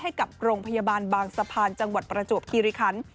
ให้กับโรงพยาบาลบางสะพานจังหวัดประจวบคิริคัน